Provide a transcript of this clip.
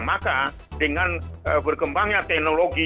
maka dengan berkembangnya teknologi